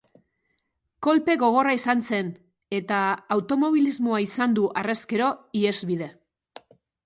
Kolpe gogorra izan zen eta automobilismoa izan du harrezkero ihesbide.